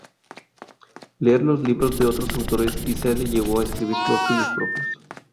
Leer los libros de otros autores quizá le llevó a escribir los suyos propios.